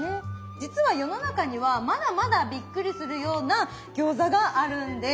実は世の中にはまだまだびっくりするような餃子があるんです。